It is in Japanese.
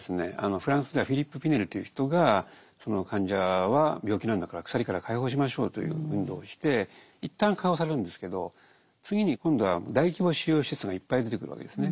フランスではフィリップ・ピネルという人が患者は病気なんだから鎖から解放しましょうという運動をして一旦解放されるんですけど次に今度は大規模収容施設がいっぱい出てくるわけですね。